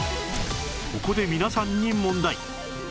ここで皆さんに問題